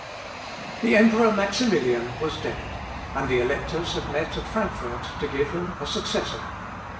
] The Emperor Maximilian was dead, and the electors had met at Frankfort to give him a successor.